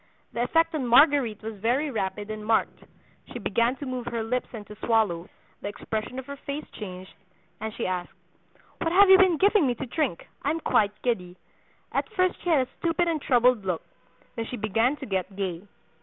The effect on Marguerite was very rapid and marked; she began to move her lips and to swallow; the expression of her face changed, and she asked, 'What have you been giving me to drink? I am quite giddy.' At first she had a stupid and troubled look; then she began to get gay.